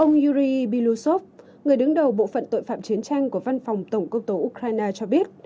ông yuri bilus người đứng đầu bộ phận tội phạm chiến tranh của văn phòng tổng công tố ukraine cho biết